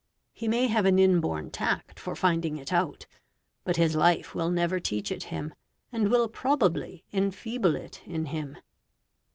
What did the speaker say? He may have an inborn tact for finding it out; but his life will never teach it him, and will probably enfeeble it in him.